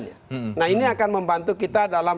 nah ini akan membantu kita dalam